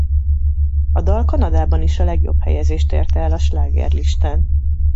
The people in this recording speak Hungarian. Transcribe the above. A dal Kanadában is a legjobb helyezést érte el a slágerlistán.